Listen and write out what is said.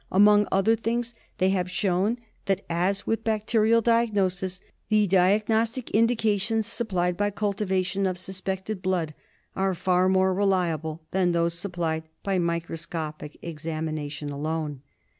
Among other things they have shown that, as with bacterial diagnosis, the diagnostic indications supplied by cultivation of suspected blood are far more reliable m than those supplied by microscopic examination alone.